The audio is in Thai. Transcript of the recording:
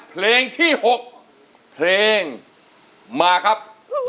เพลงที่๖เพลงมาครับ